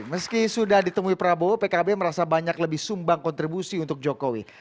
meski sudah ditemui prabowo pkb merasa banyak lebih sumbang kontribusi untuk jokowi